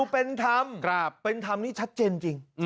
ปุเป็นธรรมนี่ชัดเจนจริง